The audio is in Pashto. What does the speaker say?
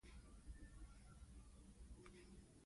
هغې وویل د سړو حوضونو لامبو محدود وخت لپاره خوندي دی.